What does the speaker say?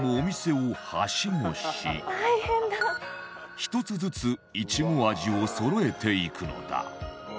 １つずつイチゴ味をそろえていくのだ